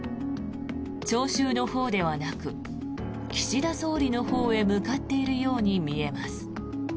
聴衆のほうではなく岸田総理のほうへ向かっているように見えます。